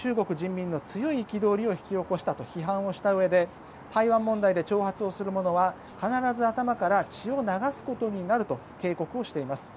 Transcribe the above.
今回の訪問が中国人民の強い憤りを引き起こしたとしたうえで台湾問題で挑発をする者は必ず頭から血を流すことになると警告をしています。